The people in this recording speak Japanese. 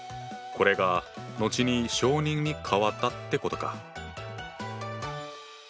これが後に小人に変わったってことか。